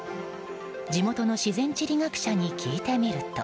地元の自然地理学者に聞いてみると。